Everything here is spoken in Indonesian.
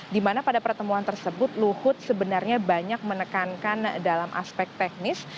dimana pada pertemuan tersebut luhut sebenarnya banyak menekankan dalam aspek teknis